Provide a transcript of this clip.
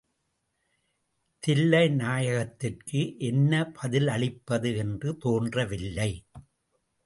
தில்லைநாயகத்திற்கு என்ன பதிலளிப்பது என்று தோன்றவில்லை.